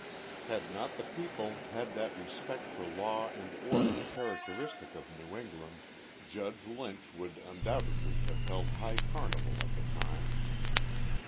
Had not the people had that respect for law and order characteristic of Xew England, Judge Lynch would, undoubted ly, have held high carnival at the time.